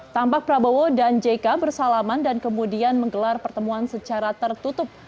tampak prabowo dan jk bersalaman dan kemudian menggelar pertemuan secara tertutup